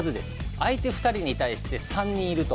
相手２人に対して３人いると。